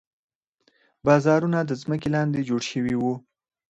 بازارونه د ځمکې لاندې جوړ شوي وو.